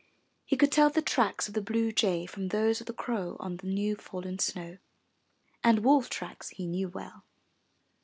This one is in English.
He could tell the tracks of the blue jay from those of the crow on the new fallen snow, and wolf tracks he knew well.